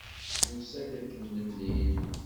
Nusa-d ad kem-nemlil.